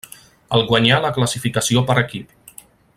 El guanyà la classificació per equip.